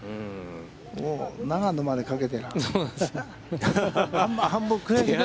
もう永野までかけてら。